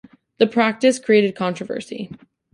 The practice created controversy.